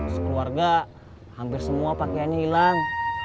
sekeluarga hampir semua pakaiannya hilang